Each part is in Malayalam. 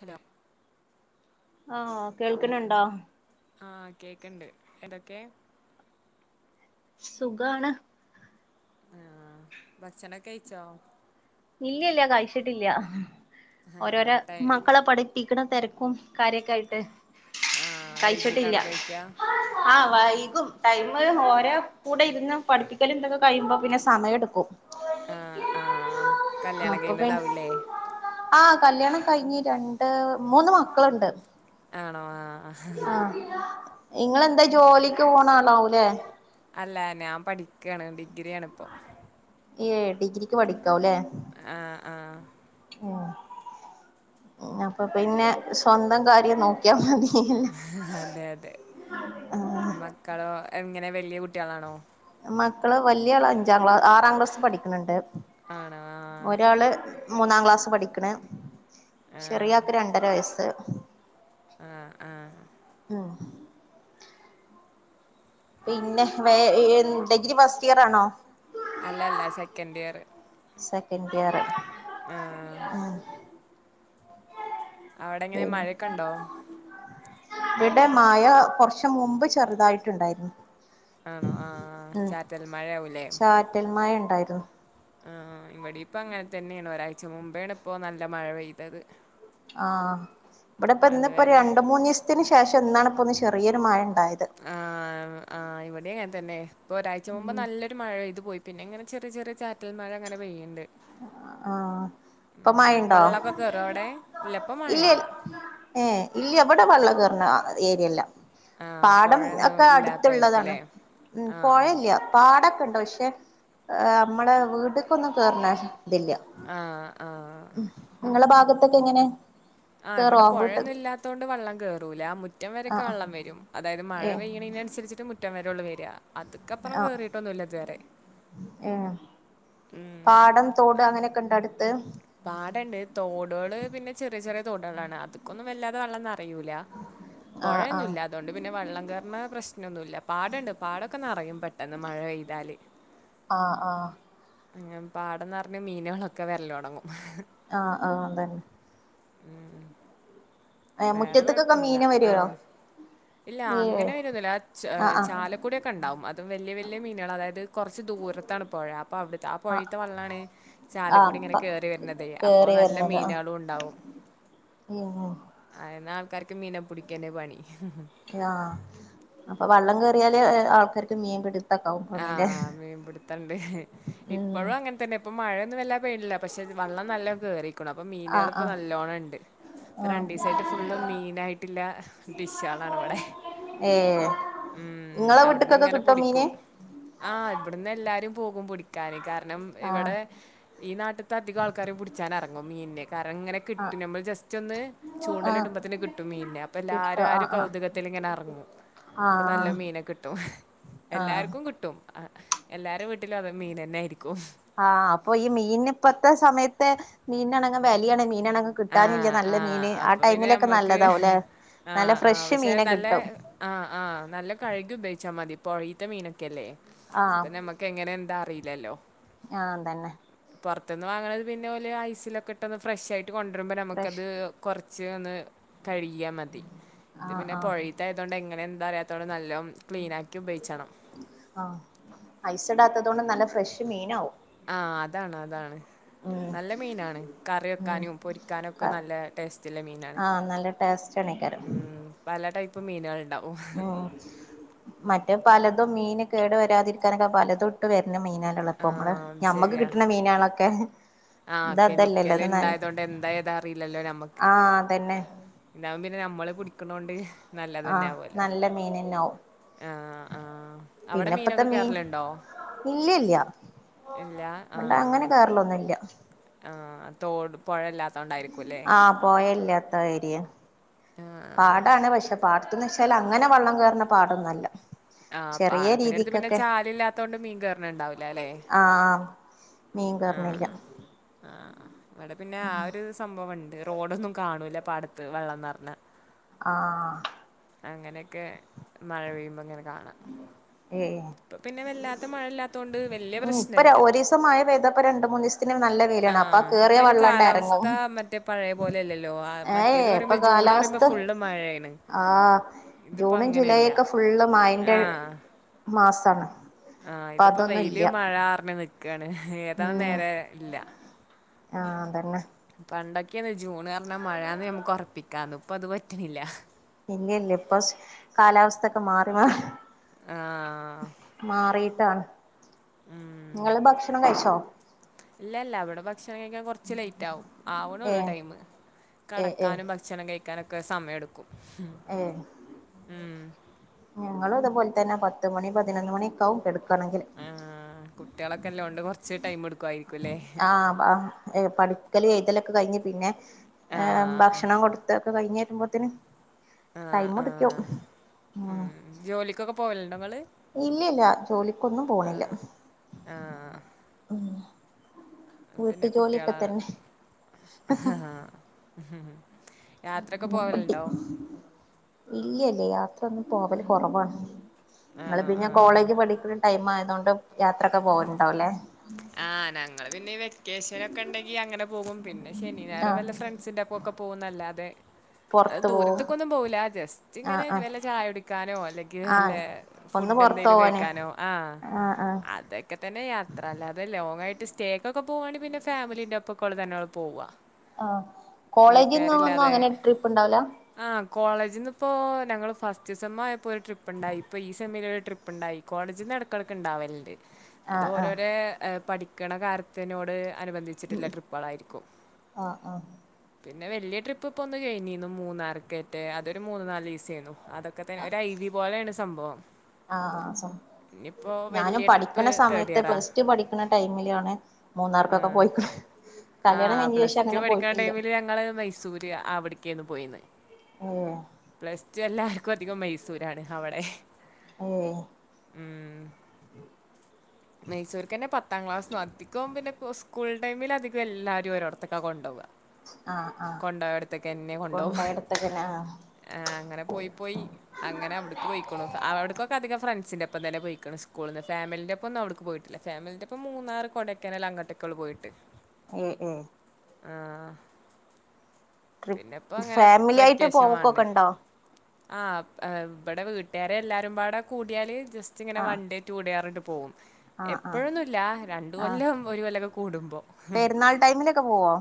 ഹലോ ആഹ കേൾക്കണണ്ടോ? ആ കേക്കണ്ട് എന്തൊക്കെ? സുഖാണ്. ആഹ് ഭക്ഷണം ഒക്കെ കഴിച്ചോ? ഇല്ല ഇല്ല കഴിച്ചിട്ടില്ല ആഹ് ഓരോരോ ടൈ മക്കളെ പഠി പ്പിക്ക്ണ തിരക്കും കാര്യൊക്കെ ആയിട്ട് ആഹ് കഴിച്ചിട്ടില്ല. വൈകീട്ടാണോ കഴിക്കാ ആഹ് വൈകും ടൈമും ഓരോ കൂടെ ഇരുന്ന് പഠിപ്പിക്കൽ എന്തൊക്കെ കഴിയുമ്പോ പിന്നെ സമയം എടുക്കും. ആഹ് ആഹ് കല്യാണം അപ്പ പ്പെ. കഴിഞ്ഞതാവൂല്ലേ ആഹ് കല്യാണം കഴിഞ്ഞ് രണ്ട്, മൂന്ന് മക്കള്ണ്ട്. ആണോ? ആഹ് ആഹ് ആഹ്. ഇങ്ങളെന്താ ജോലിക്ക് പോണാളാവൂലേ? അല്ല. നാം പഠിക്കാണ്. ഡിഗ്രിയാണ് പ്പൊ. ഏഹ്. ഡിഗ്രിക്ക് പഠിക്കാവുല്ലേ? ആഹ് ആഹ് ഉം. അപ്പൊ പിന്നെ സ്വന്തം കാര്യം നോ ക്കിയാ മതില്ലോ അതെ അതെ. മക്കളോ എങ്ങനെ വെല്യ കുട്ട്യളാണോ? മക്കള് വല്ല്യാള് അഞ്ചാം ക്ലാ ആറാം ക്ലാസ് പഠിക്ക്ണ് ണ്ട്. ആണോ ആഹ് ഒരാള് മൂന്നാക്ലാസ്സ് പഠിക്ക്ണ്. ആഹ് ചെറിയാക്ക് രണ്ടര വയസ്സ്. ആഹ് ആഹ് ഉം പിന്നെ. വേ എ ഡിഗ്രി ഫസ്റ്റിയറാ ണോ? അല്ലല്ല. സെക്കന്റിയറ്. സെക്കന്റിയറ് ആഹ് ഉം. അവടെങ്ങനെ മഴക്കണ്ടോ? വ്ടെ മയ കൊർച്ച മുമ്പ് ചെർ തായിട്ട്ണ്ടായിര്ന്ന് ആണോ ആഹ് ഉം ചാറ്റൽ മഴയാവൂലേ ചാറ്റൽമയ ണ്ടായിര്ന്നു. ആ ഇവിടിപ്പ അങ്ങൻ തന്നെണ് ഒരാഴ്ച മുമ്പേണ് പ്പോ നല്ല മഴ പെയ്തത്. ആഹ് ഇവടെ ഇപ്പ ന്ന് പ്പോത് അതുവരെ രണ്ട് മൂന്നീ സ്ത്തിന് ശേഷം ഇന്നാണിപ്പൊ ഒന്ന് ചെറിയൊരു മഴ ണ്ടായത്. ആ ആ് ഇവടെ അങ്ങൻ തന്നെ ഇപ്പൊ ഒരാഴ്ച മുമ്പ് ഉം നല്ല മഴെയ്തു പോയി പിന്നെ ങ്ങനെ ചെറിയ ചെറിയ ചാറ്റൽ മഴ ങ്ങനെ പെയ്യ്ണ്ട്. ആഹ് പ്പ മഴണ്ടോ ഗറോടെ ഇല്ലെ ഏ ഇല്ല എവടെ വള്ളം കേറ്ണ ഏരിയല്ലാ ആ പാടം പുഴയൊന്നും ഒക്കെ ഇല്ലാത്തായിരിക്കും അട്ത്ത്ള്ളതാണ് അല്ലേ ഉ ആ പൊഴല്ല. പാടൊക്കെണ്ട് പക്ഷെ നമ്മളെ വീട്ട്ക്കൊന്നും കേറ്ണ ഇതില്ല. ആഹ് ആഹ് ങ്ങളെ ഭാഗത്തൊക്കെ എങ്ങനെ ആ് കേറോ ഇവടെ വീട്ട് പോഴൊന്നും ല്ലാത്തോണ്ട് വള്ളം കേറൂല മുറ്റം വരക്കെ ആഹ് ആഹ് വള്ളം വെരും അതായത് മഴ ഏഹ് പെയ്യ്ണെ നൻസരിച്ചിട്ട് റ്റം വരെള്ളൂ വെരാ അത്ക്കപ്പറം കേറിട്ടൊന്നുല്ല തുവരെ. ഏ പാടം, തോട് അങ്ങനെക്കെ ഇണ്ടോ അട്ത്ത്. പാടണ്ട് തോടുള് പിന്നെ ചെറിയ ചെറിയ തോടളാണ് അത്ക്കൊന്നും വല്ലാതെ വെള്ള ന്നറയൂല. ആഹ് ആഹ് പൊഴോന്നുല്ല അതോണ്ട് പിന്നെ വള്ളം കേറുന്ന പ്രശ്നൊന്നുമല്ല പാടണ്ട് പാടൊക്കെ നെറയും പെട്ടോന്ന് മഴ പെയ്താൽ ആഹ് ആഹ് ഏ പാടം ന്നറ്ഞ് മീനളൊക്കെ വരലൊടങ്ങും. ആഹ് ആഹ് ത ഉം ഏഹ് വേറെ മുറ്റത്ത്ക്കൊക്കെ കൊഴപ്പൊന്നുല്ല മീന് ആ വരോ ഇല്ല വീഴേ അങ്ങനെ വരൊന്നുല്ല ആ ച ആഹ് ആഹ് ചാല കൂടിയൊക്കെ ണ്ടവും അതും വല്യ വല്യ മീനളാ അതായത് കൊർച്ച് ദൂരത്താണ് പോഴ അപ്പോ അപ്പ അവടത്തെ ആ ആഹ് പുഴീത്തെ വെള്ളാണ് ആഹ് ചാലിക്കൂടി ങ്ങനെ പ്പ കേറി വര് ന്നതെ അപ്പൊ കേറി നല്ല മീനെളും ണ്ടാവും. ഏ ആയ്ന്നാ ൾക്കാർക്ക് മീനെപ്പുടിക്കലേ പണി. ആ അപ്പ വള്ളം കേറിയാല് ആൾക്കാർക്ക് മീൻ പിടി ആഹ് മീൻപിടുത്തണ്ട് ഇപ്പഴും അങ്ങൻ തന്നെ ഇപ്പം മഴൊന്നും വല്ലാ പെയ്തിട്ടില്ല പക്ഷെ വെള്ളം നല്ലോം കേറിക്ണ് അപ്പൊ മീനെൾ ആഹ് ഇപ്പം ആഹ് നല്ലോണം ണ്ട്. രണ്ടു ആഹ് ദിവസായിട്ട് ഫുള്ള് മീൻ ആയിട്ടുള്ള ഡിഷ്‌കളാണ് ഇവിടെ ഏഹ് ഉം ഇങ്ങളെ അവിടുന്ന് വീട്ട്ക്കൊക്കെ ങ്ങനെ കിട്ടോ മീന് പൊടിക്കും ആഹ് ഇവിടുന്ന് എല്ലാരും പോകും പിടിക്കാന് കാരണം ആഹ് ഇവിടെ ഈ നാട്ടത്ത അധികം ആൾക്കാരും പുടിച്ചാനിറങ്ങും മീനെ കാരണം ഇങ്ങനെ ആഹ് കിട്ടും നമ്മൾ ജസ്റ്റ് ഒന്ന് ആഹ് ചൂണ്ടലിടുമ്പോ തന്നെ കിട്ടും മീനെ അപ്പൊ കിട്ടോ എല്ലാരും ആ ഒരു ആഹ് ആഹ് കൗതുകത്തിൽ ഇങ്ങനെ ഇറങ്ങു അപ്പൊ നല്ല ആഹ് മീന കിട്ടും ആഹ് എല്ലാർക്കും കി ട്ടും എല്ലാരെ വീട്ടിലും അത് മീൻ തന്നെ ആയിരിക്കും ആഹ് അപ്പൊ ഈ മീൻ ഇപ്പത്തെ സമയത്ത് മീനാണെങ്കി വെലെയാണെ മീനണ ആ, കിട്ടാനുല്ല നല്ല ആ. മീന് ആ അപ്പൊ പിന്നെ ടൈമിലൊക്കെ നമ്മക്ക് നല്ലതാവും അല്ലെ നല്ല ഫ്രഷ് മീനെ കിട്ടും ആഹ് ആഹ് നല്ല കഴുകി ഉപയോഗിച്ചാൽ മതി പൊഴീത്ത മീനൊക്കെല്ലേ ആഹ് അപ്പൊ നമ ക്കെ എങ്ങനെ എന്താറിയില്ലല്ലോ ആഹ് തന്നെ പുറത്തു നിന്ന് വാങ്ങണത് പിന്നെ പോലെ ഐസിലൊക്കെ ഇട്ടൊന്ന് ഫ്രഷ് ആയിട്ട് കൊണ്ടുവരുമ്പോ ഫ്രഷ് നമുക്കത് കൊറച്ച് ഒന്ന് കഴുകിയാൽ മതി ആഹ് പിന്നെ ആഹ് പുഴതെ അതുകൊണ്ട് എങ്ങനെ എന്താറിയാത്തോ നല്ലോ ക്ലീന ആക്കി ഉപയോഗിച്ചണം ആഹ് ഐസിടാത്തത് കൊണ്ട് നല്ല ഫ്രഷ് മീനാവും ആഹ് അതാണ് അതാണ് ഉം നല്ല മീനാണ് കറി ഉം വെക്കാനും പൊരിക്കാനുക്കെ നല്ല ടേസ്റ്റില മീനാണ് ആഹ് നല്ലട്ട ബസ്റ്റാണായിക്കാരം ഉം. പല ടൈപ്പ് മീനേള് ഇണ്ടാവും ഉം മറ്റേ പലതും മീന് കേട് വരാതിരിക്കാനൊക്കെ പലതും ഇട്ട് വരുന്ന മീനാ [unintelligible] ഇപ്പ നമ്മള് ആഹ് അത് ഞമ്മക്ക് ശരിയാ കിട്ടണ മീനാണൊക്കെ ആഹ് കെമിക്കല് ഇണ്ടായതോണ്ട് എന്താ ഏതാ അറിയില്ലല്ലോ ഞമ്മക്ക് ആഹ് അതന്നെ ഇതാവുമ്പോ പിന്നെ നമ്മള് പിടിക്കണോണ്ട് നല്ലതന്നെ ആഹ് ആവുമല്ലോ നല്ല മീനന്നെന്നാവും ആഹ് ആഹ് അവിടെ മീനൊക്കെ കേറലുണ്ടോ ഇല്ല ഇല്ല ഇല്ല ആഹ് ളൊന്നുല്ല ആഹ് തോട് പൊഴ ഇല്ലാത്തോണ്ടായിരിക്കൂല്ലേ ആഹ് പൊഴല്ലാത്ത ഏര്യാ ആഹ് പാടാണ് പക്ഷെ പാടത്തന്ന് വെച്ചാല് അങ്ങനെ വെള്ളം കേറണ പാടൊന്നു അല്ല ആഹ് പാടത്തിനടുത്ത് പിന്നെ ചാലില്ലാത്ത കൊണ്ട് മീൻ കേറണ് ഇണ്ടാവില്ല ല്ലേ ആഹ് ആഹ് മീൻ കറിനില്ല ആഹ് ആഹ് ആഹ് ഇവിടെ പിന്നെ ആ ഒരു സംഭവണ്ട് റോഡൊന്നും കാണൂല്ല പാടത്ത് വെള്ളം നെറഞ്ഞാ ആഹ് അങ്ങനെയെക്കെ മഴ പെയ്യുമ്പോ ഇങ്ങനെ കാണാം ഏയ് ഇപ്പൊ പിന്നെ വല്ലാത്ത മഴ ഇല്ലാത്തോണ്ട് വലിയ ഉം ഇപ്പൊ ര് പ്രശ്നമില്ല ഒരീസം മയ പെയ്തപ്പോ രണ്ട് മൂന്നീസം ത്തിന് നല്ല ആ വെയ്ലാണ് അപ്പൊ ഇപ്പൊ കേറിയ അതിന് വെള്ളാണ്ട് എറങ്ങും കാലാവസ്ഥ മറ്റേ പഴയ പോലെ അല്ലല്ലോ ആ, ഏയ് മറ്റേത് ഇപ്പൊ പറയുമ്പോ ജൂൺ പറയുമ്പോ കാലാവസ്ഥ ഫുള്ള് മഴയാണ് ആഹ് ഇതിപ്പോ ജൂണും ജൂലൈ അങ്ങനെയല്ല ഒക്കെ ഫുള്ള് മയന്റെ മാസാണ് ആഹ് ഇപ്പൊ ഇതിപ്പോ അതൊന്നും വെയില് ഇല്ല മഴ പറിഞ്ഞ് നിക്കാണ് ഏതാ ഉം നേരെ ഇല്ല ആഹ് അതന്നെ പണ്ടൊക്കെയാന്ന് ജൂണ് പറഞ്ഞാ മഴാന്ന് നമ്മക്ക് ഒറപ്പിക്കാന്ന് ഇപ്പൊ അത് പറ്റണില്ല ഇല്ല ഇല്ല ഇപ്പൊ കാലാവസ്ഥൊക്കെ മാറി മാ ആ മാറിട്ടാണ് ഇങ്ങള് ഭക്ഷണം കഴിച്ച ഇല്ല ഇല്ല ഇവിടെ ഭക്ഷണം കഴിക്കാൻ കൊറച്ച് ലേയിറ്റ് ആവും ആവണോള്ളൂ ഏഹ് ടൈമ് ഏഹ് ഏഹ് കെടക്കാനും ഭക്ഷണം കഴിക്കാനൊക്കെ സമയെടുക്കും ഏഹ് ഞങ്ങളും അത്പോലെ തന്നെ പത്ത് മണി, പതിനൊന്ന് മണിക്കാവും കെടക്കണെങ്കില്. ആഹ് കുട്ട്യാളൊക്കെ ഇല്ലോണ്ട് കൊറച്ച് ടൈം എടുക്കുവായിരി ആഹ് ബ ഏ പഠി ക്കല് എഴ്തെലൊക്കെ കഴിഞ്ഞ് പിന്നെ ആ ഏഷ് ഭക്ഷണം കൊടുത്തൊക്കെ കഴിഞ്ഞ് വരുമ്പോത്തെന് ആ ടൈമ് ആ മുടിക്കും ഉം ജോലിക്കൊക്കെ പോവല്ണ്ടൊ ഇങ്ങള്? ഇല്ല ഇല്ല ജോലിക്കൊന്നും പോണില്ല ആ ഉം പിന്നെ വീട്ടു ജോലിയൊക്കെ കുട്ട്യാളാ തന്നെ ആഹ് യാത്രെക്കെ പോവല്ണ്ടോ? ഇല്ല്യ ഇല്ല്യ യാത്ര ഒന്നും പോവല് കൊറവാണ് ഇങ്ങള് ആണോ പിന്നെ ആ കോളേജ് പഠിക്കണ ടൈം ആയതോണ്ട് യാത്രൊക്കെ പോവല്ണ്ടാവുല്ലേ? ആഹ് ഞങ്ങള് പിന്നെ ഈ വെക്കേഷൻ ഒക്കെ ഇണ്ടെങ്കി അങ്ങനെ പോകും പിന്നെ ശനിം ഞായറും ആഹ് വല്ല ഫ്രണ്ട്സിന്റെ ഒപ്പം ഒക്കെ പോവുന്നല്ലാതെ അത് പൊറത്ത് പോവും ദൂരത്ത്ക്കൊന്നും പോവൂല്ല ജസ്റ്റ് ഇങ്ങനെ ആഹ് ആഹ് വല്ല ചായ കുടിക്കാനോ അല്ലെങ്കില് ആഹ് വല്ലാ ഒന്ന് ഫുഡ് പൊറത്ത് എന്തേലും പോവാന് കഴിക്കാനോ ആഹ് ആഹ് ആഹ് ക്കെ തന്നെ യാത്ര അല്ലാതെ ലോങ്ങായിട്ട് സ്റ്റേക്കൊക്കെ പോവാണെ പിന്നെ ഫാമിലിൻ്റെ ഒപ്പക്കൊള്ളു തന്നെ പോവ്വാ. ആഹ് കോളേജിന്നൊ ഒന്നും അങ്ങനെ ട്രിപ്പ് ഇണ്ടാവൂല്ല? ആ കോളേജ്ന്ന് പ്പോ ഞങ്ങള് ഫസ്റ്റ് സെമ്മായപ്പോ ഒരു ട്രിപ്പ്ണ്ടായി ഇപ്പ ഈ സെമ്മിലൊരു ട്രിപ്പ് പ്പ്ണ്ടായി കോളേജ്ന്ന്ടകെടക്ക് ണ്ടാവല്ണ്ട് അത് ആഹ് ആഹ് ഓരോരേ പഠിക്ക്ണ കാര്യത്തിനോട് അനുബന്ധി ച്ചിട്ടില്ലെ ട്രിപ്പാളായിരിക്കും ആഹ് ആഹ് പിന്നെ വെല്യ ട്രിപ്പ് ഇപ്പൊന്ന് കഴിഞ്ഞീന്നു മൂന്നാർക്കേറ്റേ അതൊരു മൂന്ന് നാലീസേന്നു അതൊക്കെത്തെന്നെ ഒരു ഐ വി പോലെണ് സംഭവം ആ ഇനിയിപ്പോ ഞാനും വലിയ ട്രിപ്പ് പഠിക്കണ തേർഡ് സമയത്ത് ഇയറാ. പ്ലസ് ടു പഠി ക്ക്ണടൈമിലാണ് മൂന്നാർക്കൊക്കെ പോയിക്ക്ണ് ആ കല്യാണം കഴിഞ്ഞ പ്ലസ് ശേഷം ടു അങ്ങനെ പഠിക്ക്ണ പോയിട്ടില്ല ടൈമില് ഞങ്ങള് മൈസൂര് അവിട്ക്കേന്നു പോയിന്ന് [unintelligible] പ്ലസ് ടു എല്ലാര്ക്കും അധികം മൈസൂരാണ് അവടെ ഏ ഉം മൈസൂര്ക്കെന്നെ പത്താം ക്ലാസ്ന്നധികോം പിന്നെ സ്കൂൾ ടൈമില്ധികം എല്ലാരും ഓരോട്ത്ത്ക്ക കൊണ്ടോവ ആഹ് ആഹ് കൊണ്ടോയെട്ത്ത്ക്കെന്നെ കൊണ്ടോവും കൊണ്ടോയിടത്തൊക്കെന്നെ ആഹ് ആ അങ്ങനെ പോയി പോയി അങ്ങനെ അവിടുക്ക് പോയിക്കുണു അവിട്ക്കൊക്കെ അധികം ഫ്രണ്ട്സിൻന്റെപ്പം തന്നെ പോയിക്ണ് സ്കൂള്ന്ന് ഫാമിലിന്റെ പ്പൊന്നും അവ്ട്ക്ക് പോയിട്ടില്ല ഫാമിലിന്റോപ്പം മൂന്നാറ് കൊടയ്ക്കനാൽ അങ്ങൊട്ടൊക്കൊള്ളു പോയിട്ട് ഉം ഉം ആ ട്രിപ്പ് പിന്നെപ്പോങ്ങനെ ഫാമിലി ആയിട്ട് വെക്കേഷൻ വാണ്ടേ പോക്കൊക്കെ ഉണ്ടോ ഇവടെ വീട്ടാരെല്ലാരുംപാടെ കൂടിയാല് ജസ്റ്റ്ങ്ങനെ ആഹ് വൺഡേ റ്റു ടെ പർഞ്ട്ട് പോവും ആഹ് ആഹ് എപ്പോഴൊന്നുല്ല രണ്ട് ആഹ് കൊല്ലം ഒരു കൊല്ലൊക്കെ കൂടുമ്പോ ഹും പെരുന്നാൾ ടൈമിലൊക്കെ പോവോ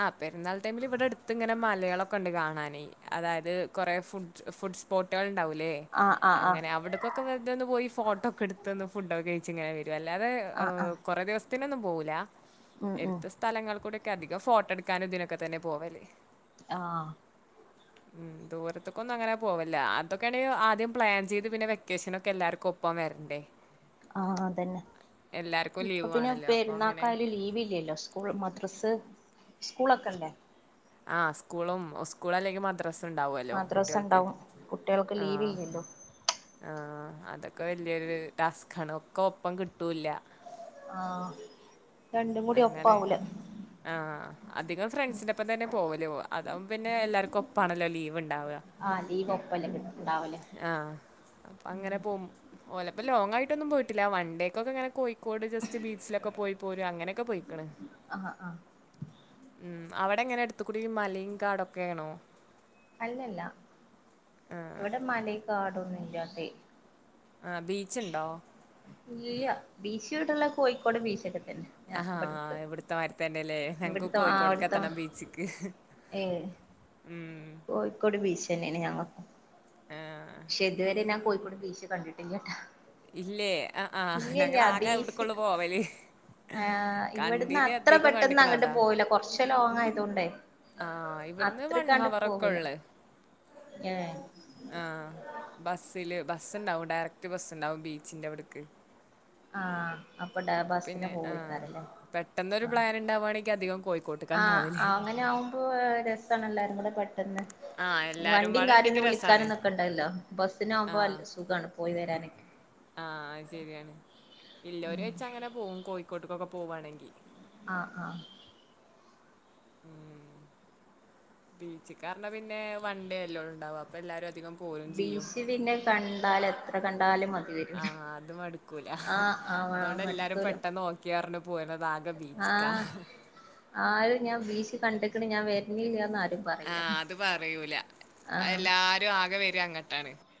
ആ പെരുന്നാൾടൈമില് ഇവടെട് ത്ത്ങ്ങനെ മലാളൊക്കെണ്ട് കാണാനേ അതായത് കൊറേ ഫുഡ് സ് ഫുഡ് സ്പോട്ടാള് ണ്ടാവൂലേ ആഹ് ആഹ് ആഹ് അങ്ങനെ അവിട്ക്കൊക്കെ വെറ്തൊന്ന് പോയി ഫോട്ടോക്കെ ഇട്ത്ത്ന്ന് ഫുഡോക്കെ കഴിച്ച്ങ്ങനെ വെ രും അല്ലാതെ ആഹ് ഹ് ആഹ് കൊറെ ദിവസത്തിനൊന്നും പോവൂലാ ഉം ഉം എര്തസ് സ്ഥലങ്ങൾക്കൂടൊക്കെ അധികം ഫോട്ടോ ട്ക്കാനും ഇതിനൊക്കെ തന്നെ പോവല് ആ ഉം ദൂരത്ത്ക്കൊന്നങ്ങനെ പോവല്ല അതൊക്കെണെങ്കി ആദ്യം പ്ലാൻ ചെയ്ത് പിന്നെ വെക്കേഷനൊക്കെ എല്ലാർക്കൊപ്പം വെരണ്ടേ ആ അതെന്നെ എല്ലാവർക്കും ഇപ്പൊ ലീവ് പിന്നെ ആണല്ലോ അപ്പോൾ അങ്ങനെ പെരുന്നാക്കായാലും ലീവില്ലല്ലോ കൂൾ മദ്രസ് സ്കൂളൊക്കെല്ലേ ആ സ്കൂളും സ്കൂളല്ലെങ്കി മദ്രസ്സ് ക്കെണ്ടാവല്ലോ മദ്രസ കുട്ട്യാൾക്ക്‌ ഉണ്ടാവും കുട്ടികൾക്ക് ആ ലീവില്ലല്ലോ ആ അതൊക്കെ വല്യൊരു ടാസ്കാണ് ഒക്കൊപ്പം കിട്ടൂല്ല ആ അങ്ങനെ ആ അധികം ഫ്രണ്ട്സിന്റോപ്പം തന്നെ പോവല് ഓ അതാവുമ്പോ പിന്നെ എല്ലാര്ക്കും ഒപ്പാണല്ലോ ലീവ് ണ്ടാവ ആ ലീവ് ഒപ്പല്ലേ കിട്ടാവല് ആ അപ്പൊ അങ്ങനെ പോവും ഓലപ്പം ലോങ്ങായിട്ടൊന്നും പോയിട്ടില്ല വണ്ടിക്കൊക്കെങ്ങനെ കോഴി കോട് ജസ്റ്റ് ബീച്ചിലൊക്കെ പോയി പോര അങ്ങനെക്കെ പോയിക്ക്ണ് ആ ആ ഉം അവടെ എങ്ങനെ എടുത്തുക്കൂടിം മലീം കാടൊക്കേണോ അല്ലല്ല ഇവടെ മലേം കാടൊന്നും ഇല്ലാത്തെ ഏ ആ ബീച്ച്ണ്ടോ ഇല്ല്യ ബീച്ച് വ്ടള്ളത് കോഴിക്കോട് ബീച്ചൊക്കെ തന്നെ അഹാ ഇവിടക്ക് എവിട് ത്തമാരിത്തെന്നെലെ ഞങ്ങക്ക് ഇവിടുത്തെ ആഹ് അവിടുത്തെ കോഴിക്കോട്ക്കെത്തണം ബീച്ച്ക്ക് ഏഹ് ഉം കോഴിക്കോട് ബീച്ചെന്നെണ് ഞങ്ങക്കും ആ ക്ഷെ ഇതുവരെ ഞാൻ കോഴിക്കോട് ബീച്ച് കണ്ടിട്ടില്ല ട്ടാ ഇല്ലേ അ ആഹ് ഞങ്ങളാകെ അവ്ട് കൊള്ളൂ പോവല് ആ ഇവ്ട്ന്ന് കണ്ടീല് അത്ര അധികം പെട്ടന്ന് കണ്ട്ക്ക്ണ് അങ്ങട്ട് അതാ. പോവില്ല കുറച്ച് ലോങ് ആയതോണ്ടെ ആഹ് ഇവിടുന്ന് വൺ ഹവറൊക്കൊള്ള് ഏഹ് ആഹ് ബസ്സില് ബസ്സ്ണ്ടാവും ഡയറക്ട് ബസ്സ്ണ്ടാവും ബീച്ചിന്റെ അവ്ട്ക്ക് ആഹ് അപ്പൊ ഡാ ബസ്സിന് പിന്നെ ആ. പോവേക്കാരം ലെ പെട്ടെന്നൊരു പ്ലാൻ ണ്ടാവാണെങ്കി അധികം കോഴിക്കോട്ട്ക്കാ ണ്ടാവല് ഇപ്പോ രസാണ് എല്ലാരും കൂടെ പ തന്നെ ആ, എല്ലാരും വണ്ടിം പാടെ ഉണ്ടെങ്കി കാര്യോന്നും രസാണ്. വിളിക്കാനും നിക്കണ്ടല്ലോ ബസ്സിനാകുമ്പോ അ സുഖാണ് പോയി വരാനൊക്കെ ആഹ് അത് ശരിയാണ് ഇല്ലോരെ വെച്ചങ്ങനെ പോകും കോഴിക്കോട്ട്ക്കൊക്കെ പോവാണെങ്കി ആഹ് ആഹ് ബീച്ച്ക്കാറഞ്ഞ പിന്നേ വണ്ടേ അല്ലെ ഒള്ളു ണ്ടാവാ അപ്പൊ എല്ലാരും അധികം പോരും ചെയ്യും. ബീച്ച് പിന്നെ കണ്ടാൽ എത്ര കണ്ടാലും മതി വരൂല ആഹ് അത് മടുക്കൂല ആഹ് ആഹ് അതോണ്ട് എല്ലാരും മടുക്കൂല പെട്ടെന്ന് ഓ ക്കെറഞ് പോര്ണത് ആകെ ബീച്ച്ക്കാ ആഹ് ആരും ഞാൻ ബീച്ച് കണ്ട്ക്ക്ണ് ഞാൻ വര്നില്ല്യന്നാരും ആഹ് അത് പറയൂല അ ആഹ് എല്ലാരും ആകെ വര അങ്ങട്ടാണ്